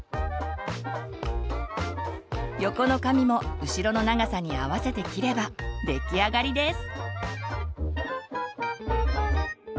横の髪も後ろの長さに合わせて切れば出来上がりです。